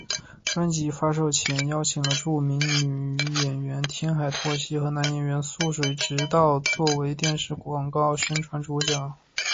专辑发售前邀请了著名女演员天海佑希和男演员速水直道作为电视广告宣传主角。